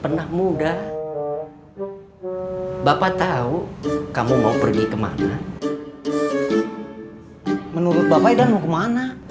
pernah muda bapak tahu kamu mau pergi kemana menurut bapak idan mau kemana